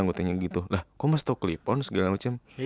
gue tanya gitu lah kok mas tau clip on segala macem